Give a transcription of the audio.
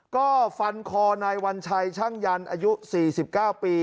ก็ฟันคอนายวัญชัยช่างยันอายุ๔๙ปี